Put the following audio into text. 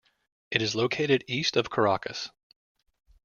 It is located east of Caracas.